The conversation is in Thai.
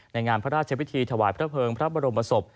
ในงานพระราชพิธีถวายพระเภิงพระบรมศพ